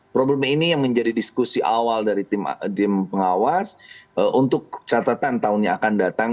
problem ini yang menjadi diskusi awal dari tim pengawas untuk catatan tahun yang akan datang